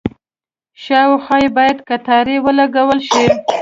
شاوخوا یې باید کټارې ولګول شي.